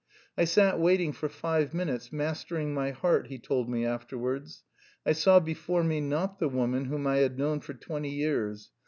"I sat waiting for five minutes, 'mastering my heart,'" he told me afterwards. "I saw before me not the woman whom I had known for twenty years.